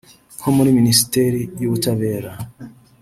nko muri Minisiteri y’Ubutabera